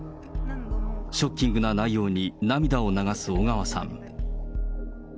ショッキングな内容に、涙を流す小川さん。